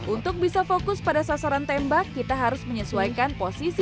untuk bisa fokus pada sasaran tembak kita harus menyesuaikan posisi